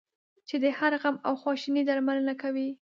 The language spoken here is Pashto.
چې د هر غم او خواشینی درملنه کوي.